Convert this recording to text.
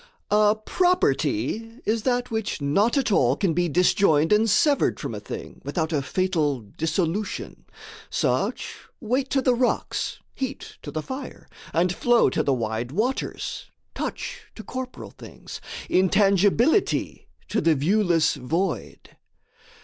A property is that which not at all Can be disjoined and severed from a thing Without a fatal dissolution: such, Weight to the rocks, heat to the fire, and flow To the wide waters, touch to corporal things, Intangibility to the viewless void.